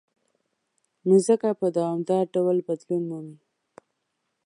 مځکه په دوامداره ډول بدلون مومي.